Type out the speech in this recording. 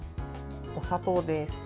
お砂糖です。